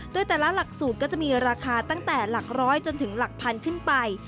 โดยแต่ละหลักสูตรก็จะมีราคาตั้งแต่หลักร้อยจนถึงหลักพันขึ้นไป